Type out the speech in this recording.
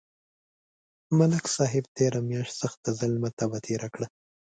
ملک صاحب تېره میاشت سخته ظلمه تبه تېره کړه.